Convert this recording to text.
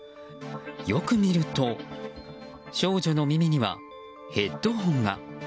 よく見ると少女の耳にはヘッドホンが。